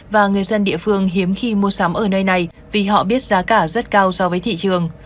và người dân địa phương hiếm khi mua sắm ở nơi này vì họ biết giá cả rất cao so với thị trường